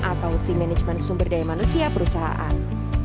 atau team management sumber daya manusia perusahaan